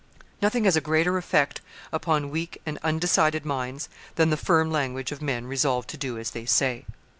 Nothing has a greater effect upon weak and undecided minds than the firm language of men resolved to do as they say.